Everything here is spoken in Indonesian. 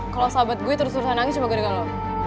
kalo sahabat gue terus terusan nangis cuma gede gede lu